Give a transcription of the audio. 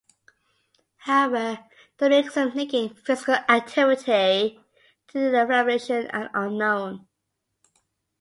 However, the mechanisms linking physical activity to inflammation are unknown.